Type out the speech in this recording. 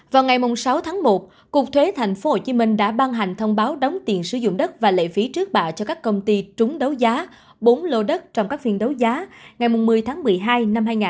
vào ngày sáu tháng một cục thuế tp hcm đã ban hành thông báo đóng tiền sử dụng đất và lệ phí trước bạ cho các công ty trúng đấu giá bốn lô đất trong các phiên đấu giá ngày một mươi tháng một mươi hai năm hai nghìn hai mươi ba